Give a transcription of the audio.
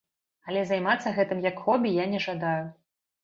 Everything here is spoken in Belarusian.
Але займацца гэтым як хобі я не жадаю.